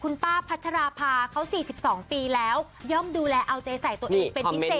คุณป้าพัชราภาเขา๔๒ปีแล้วย่อมดูแลเอาใจใส่ตัวเองเป็นพิเศษ